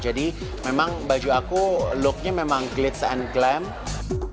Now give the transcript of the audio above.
jadi memang baju aku looknya memang glitz and glamour